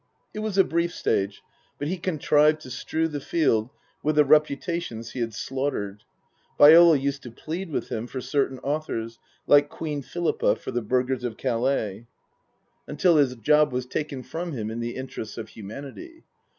It was a brief stage, but he contrived to strew the field with the reputations he had slaughtered (Viola used to plead with him for certain authors, like Queen Philippa for the burghers of Calais), 160 Tasker Jevons until his job was taken from him in the interests of humanity.